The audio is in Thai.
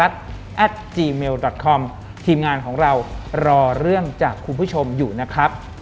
ทีมงานของเรารอเรื่องจากคุณผู้ชมอยู่นะครับ